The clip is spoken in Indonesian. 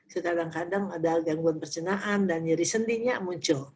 kadang kadang ada gangguan percenaan dan nyari sendinya muncul